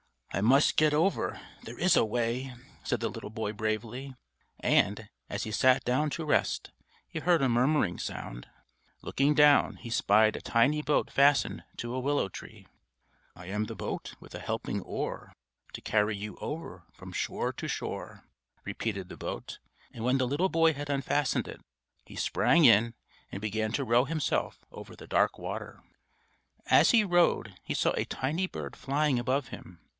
"I must get over. There is a way," said the little boy bravely; and, as he sat down to rest, he heard a murmuring sound. Looking down, he spied a tiny boat fastened to a willow tree. "I am the boat with a helping oar, To carry you over from shore to shore," repeated the boat; and when the little boy had unfastened it, he sprang in, and began to row himself over the dark water. As he rowed, he saw a tiny bird flying above him.